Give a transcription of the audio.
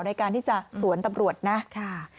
ในการที่จะสวนตำรวจนะค่ะ